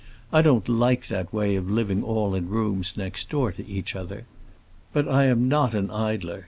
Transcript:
I don't like that way of living all in rooms next door to each other. But I am not an idler.